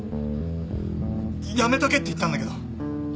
やめとけって言ったんだけど。